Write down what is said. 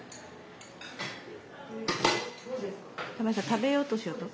食べようとしようと？